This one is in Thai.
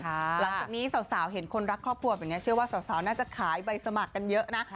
หลังจากนี้สาวเห็นคนรักครอบครัวแบบนี้เชื่อว่าสาวน่าจะขายใบสมัครกันเยอะนะ